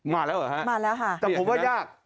มาแล้วเหรอฮะมาแล้วค่ะแต่ผมว่ายาก